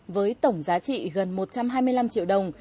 với tổng giá trị gần một trăm hai mươi năm triệu đồng